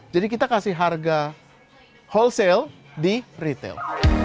jadi kita kasih harga wholesale di retail